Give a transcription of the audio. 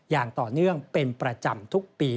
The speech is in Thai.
อย่างต่อเนื่องเป็นประจำทุกปี